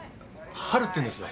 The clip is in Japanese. ハルっていうんです。